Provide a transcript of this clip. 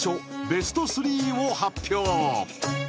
ベスト３を発表